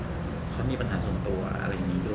เขามีปัญหาส่วนตัวอะไรอย่างนี้ด้วย